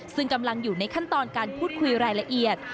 ซึ่งกำลังอยู่ในขั้นตอนการพูดคุยรายละเอียด